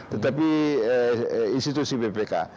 tetapi institusi ppk